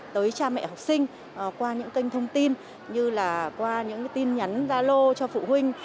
tới cha mẹ học sinh qua những kênh thông tin như là qua những tin nhắn gia lô cho phụ huynh